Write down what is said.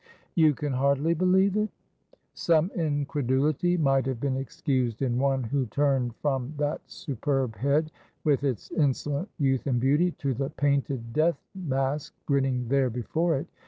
"You can hardly believe it?" Some incredulity might have been excused in one who turned from that superb head, with its insolent youth and beauty, to the painted death mask grinning there before it.